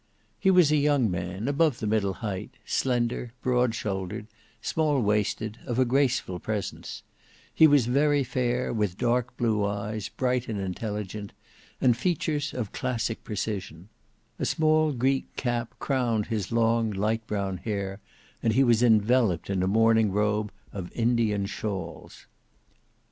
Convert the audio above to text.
He was a young man, above the middle height, slender, broad shouldered, small waisted, of a graceful presence; he was very fair, with dark blue eyes, bright and intelligent, and features of classic precision; a small Greek cap crowned his long light brown hair, and he was enveloped in a morning robe of Indian shawls.